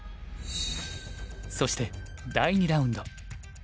そして第２ラウンド。